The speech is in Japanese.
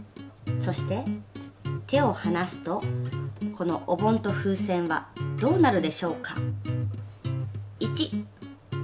そして手を離すとこのお盆と風船はどうなるでしょうか？